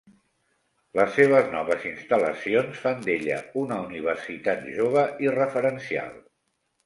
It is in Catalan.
Les seves noves instal·lacions fan d'ella una universitat jove i referencial.